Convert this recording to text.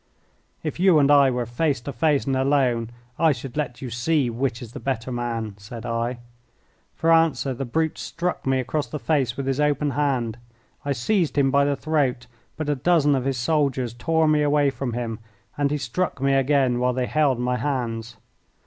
"If you and I were face to face and alone, I should let you see which is the better man," said I. For answer the brute struck me across the face with his open hand. I seized him by the throat, but a dozen of his soldiers tore me away from him, and he struck me again while they held my hands.